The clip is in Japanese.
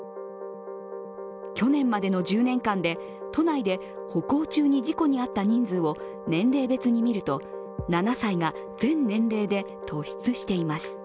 去年までの１０年間で都内で歩行中に事故に遭った人数を年齢別に見ると７歳が全年齢で突出しています。